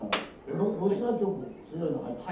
ロシア局強いの入ってた。